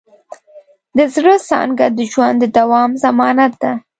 د زړۀ څانګه د ژوند د دوام ضمانت ده.